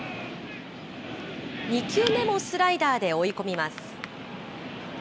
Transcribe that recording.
２球目もスライダーで追い込みます。